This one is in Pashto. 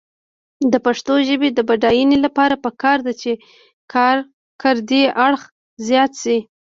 د پښتو ژبې د بډاینې لپاره پکار ده چې کارکردي اړخ زیات شي.